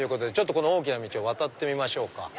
この大きな道を渡ってみましょうか。